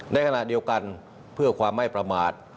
ในขณะเดียวกันเพื่อความไม่ประมาท